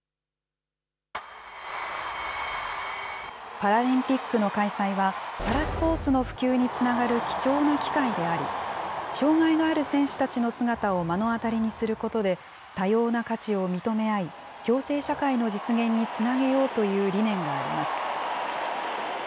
パラリンピックの開催は、パラスポーツの普及につながる貴重な機会であり、障害がある選手たちの姿を目の当たりにすることで、多様な価値を認め合い、共生社会の実現につなげようという理念があります。